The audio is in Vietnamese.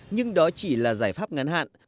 nhưng đó chỉ là giải pháp ngắn hạn